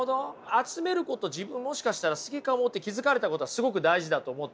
集めること自分もしかしたら好きかもって気付かれたことはすごく大事だと思ってて。